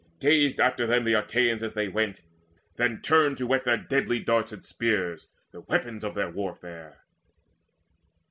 Gazed after them the Achaeans as they went, Then turned to whet their deadly darts and spears, The weapons of their warfare.